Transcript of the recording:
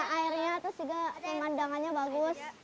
ada mata airnya terus juga pemandangannya bagus